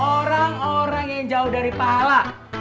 orang orang yang jauh dari pala